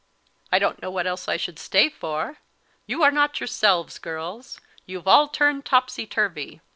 "I don't know what else I should stay for; you are not yourselves, girls; you've all turned topsy turvy.